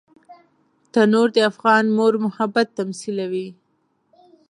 تنور د افغان مور محبت تمثیلوي